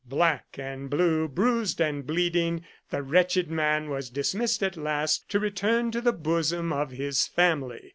Black and blue, bruised and bleeding, the wretched man was dismissed at last, to return to the bosom of his family.